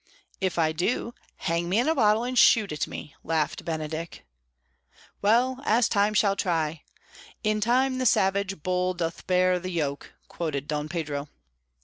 "If I do, hang me in a bottle and shoot at me," laughed Benedick. "Well, as time shall try. 'In time the savage bull doth bear the yoke,'" quoted Don Pedro.